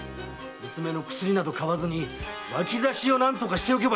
娘の薬など買わずに脇差を何とかしておけばよかったものを。